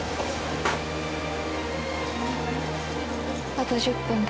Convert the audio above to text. あと１０分だ。